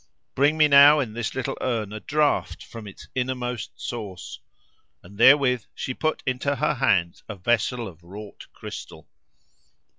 Bring me now, in this little urn, a draught from its innermost source." And therewith she put into her hands a vessel of wrought crystal.